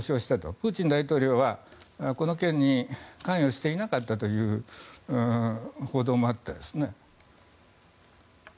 プーチン大統領はこの件に関与していなかったという報道もあって。